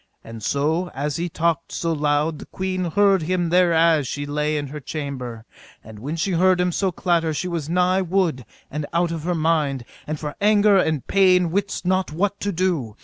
And so as he talked so loud the queen heard him thereas she lay in her chamber; and when she heard him so clatter she was nigh wood and out of her mind, and for anger and pain wist not what to do.